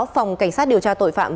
phòng cảnh sát điều tra tội phạm